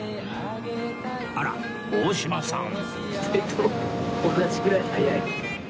あら？大島さん？